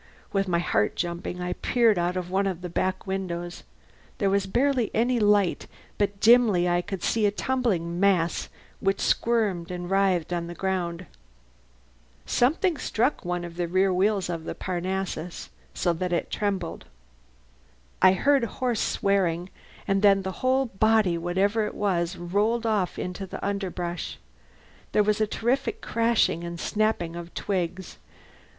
With my heart jumping I peered out of one of the back windows. There was barely any light, but dimly I could see a tumbling mass which squirmed and writhed on the ground. Something struck one of the rear wheels so that Parnassus trembled. I heard hoarse swearing, and then the whole body, whatever it was, rolled off into the underbrush. There was a terrific crashing and snapping of twigs.